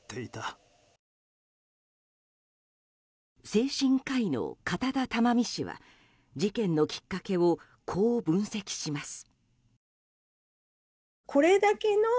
精神科医の片田珠美氏は事件のきっかけをこう分析します。